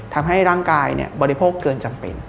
ทำให้ร่างกายบริโภคเกินจำเป็น